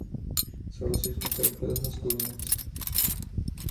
Solo se disputaron pruebas masculinas.